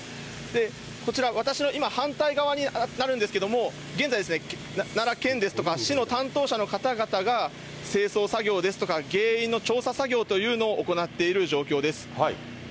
こちら、私の今、反対側になるんですけれども、現在ですね、奈良県ですとか市の担当者の方々が清掃作業ですとか、原因の調査作業というのを行っている状況です。